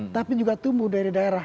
tapi juga tumbuh dari daerah